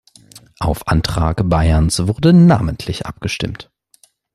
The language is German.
Auf Antrag Bayerns wurde namentlich abgestimmt.